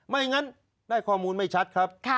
ไม่งั้นได้ข้อมูลไม่ชัดครับ